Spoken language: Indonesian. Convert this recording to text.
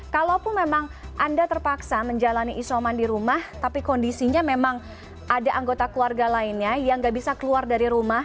kalaupun memang anda terpaksa menjalani isoman di rumah tapi kondisinya memang ada anggota keluarga lainnya yang nggak bisa keluar dari rumah